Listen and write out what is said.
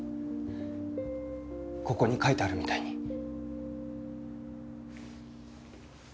ここに書いてあるみたいに。